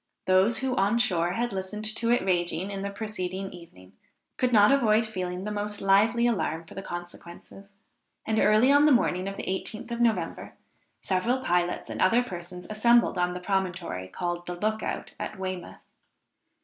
Those who on shore had listened to it raging on the preceding evening, could not avoid feeling the most lively alarm for the consequences; and early on the morning of the 18th of November, several pilots and other persons assembled on the promontory called the Look out at Weymouth.